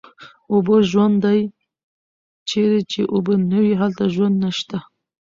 اوبه ژوند دی، چېرې چې اوبه نه وي هلته ژوند هم نشته